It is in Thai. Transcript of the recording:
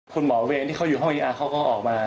คุณหมอเวรที่อยู่ห้องอีอาร์เขาก็ออกมา